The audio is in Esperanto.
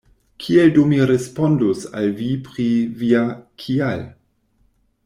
Kiel do mi respondus al vi pri via “kial”?